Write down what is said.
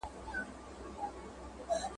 شخصي حسابونه وړیا دي.